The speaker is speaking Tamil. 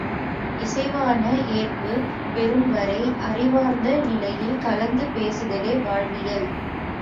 இசைவான ஏற்பு பெறும்வரை அறிவார்ந்த நிலையில் கலந்து பேசுதலே வாழ்வியல்.